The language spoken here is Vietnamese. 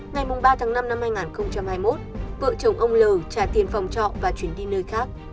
ngày ba tháng năm năm hai nghìn hai mươi một vợ chồng ông l trả tiền phòng trọ và chuyển đi nơi khác